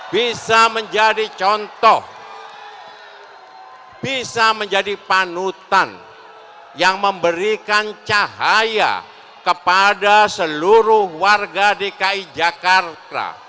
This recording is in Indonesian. bisa menjadi contoh bisa menjadi panutan yang memberikan cahaya kepada seluruh warga dki jakarta